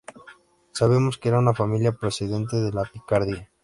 Sabemos que era una familia procedente de la Picardía.